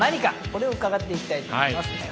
これを伺っていきたいと思います。